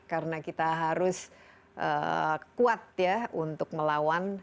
karena kita harus kuat ya untuk melawan covid ini